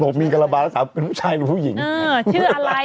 คงจะถามว่าเป็นผู้ชายหรือผู้หญิงด้วย